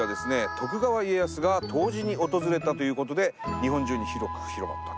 徳川家康が湯治に訪れたということで日本中に広く広まったと。